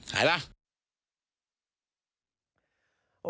หายไหม